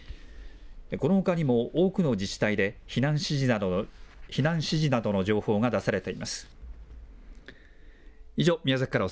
このほかにも、多くの自治体で避難指示などの情報が出されています。